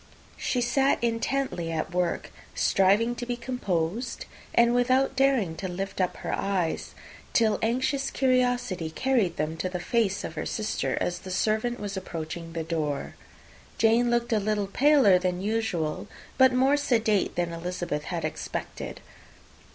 She sat intently at work, striving to be composed, and without daring to lift up her eyes, till anxious curiosity carried them to the face of her sister as the servant was approaching the door. Jane looked a little paler than usual, but more sedate than Elizabeth had expected.